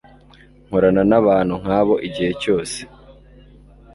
Nkorana nabantu nkabo igihe cyose